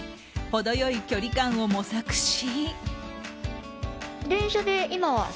程良い距離感を模索し。